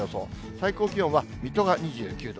最高気温は水戸が２９度。